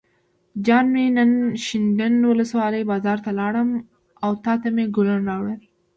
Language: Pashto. جان مې نن شینډنډ ولسوالۍ بازار ته لاړم او تاته مې ګلونه راوړل.